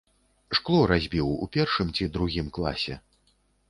Шкло разбіў у першым ці другім класе.